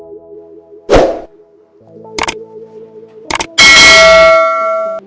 ada sih tapi